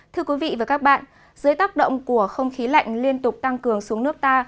thưa quý vị và các bạn dưới tác động của không khí lạnh liên tục tăng cường xuống nước ta